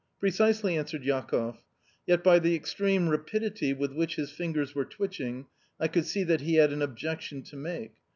"Precisely," answered Jakoff. Yet by the extreme rapidity with which his fingers were twitching I could see that he had an objection to make.